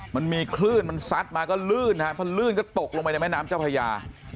มันมีคลื่นมันซัดมาก็ลื่นฮะพอลื่นก็ตกลงไปในแม่น้ำเจ้าพญา